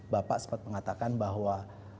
bapak sempat mengatakan bahwa